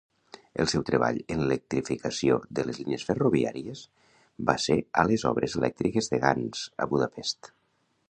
El seu treball en l'electrificació de les línies ferroviàries va ser a les obres elèctriques de Ganz, a Budapest.